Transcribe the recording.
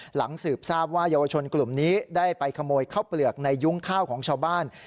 หลังสืบทราบว่าเยาวชนกลุ่มนี้ได้ไปขโมยข้าวเปลือกในยุ้งข้าวของชาวบ้าน